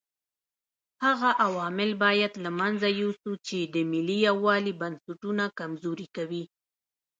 هغه عوامل باید له منځه یوسو چې د ملي یووالي بنسټونه کمزوري کوي.